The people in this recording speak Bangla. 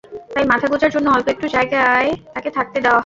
তাই মাথা গোঁজার জন্য অল্প একটু জায়গায় তাঁকে থাকতে দেওয়া হয়।